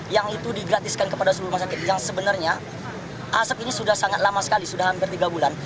yang itu digratiskan kepada seluruh rumah sakit yang sebenarnya asap ini sudah sangat lama sekali sudah hampir tiga bulan